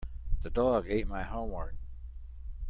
The dog ate my homework.